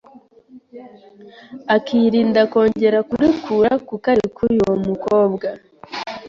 akirinda kongera kurikura kuko arikuye uwo mukobwa